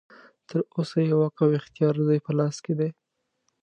تر اوسه یې واک او اختیار ددوی په لاس کې دی.